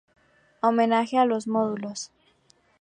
Homenaje a los Módulos".